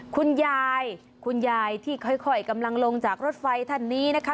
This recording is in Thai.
คุณยายคุณยายที่ค่อยกำลังลงจากรถไฟท่านนี้นะคะ